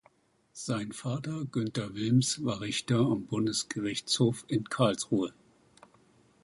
Sein Vater Günther Willms war Richter am Bundesgerichtshof in Karlsruhe.